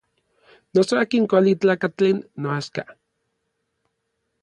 Noso akin kuali tlakatl tlen noaxka.